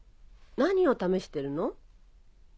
何を試してるの？